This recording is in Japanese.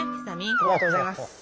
ありがとうございます。